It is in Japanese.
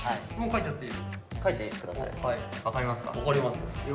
もう書いちゃっていいの？